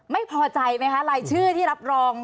ไม่พอใจไหมคะรายชื่อที่รับรอง